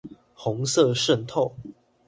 紅色滲透